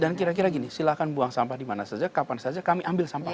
dan kira kira gini silakan buang sampah dimana saja kapan saja kami ambil sampahnya